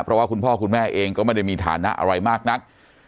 เพราะว่าคุณพ่อคุณแม่เองก็ไม่ได้มีฐานะอะไรมากนัก